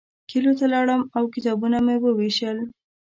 کلیو ته لاړم او کتابونه مې ووېشل.